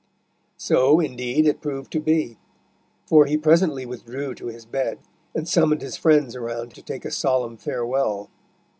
So, indeed, it proved to be; for he presently withdrew to his bed, and summoned his friends around to take a solemn farewell.